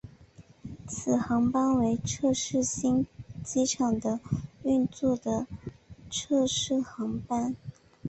此航班为测试新机场的运作的测试航班。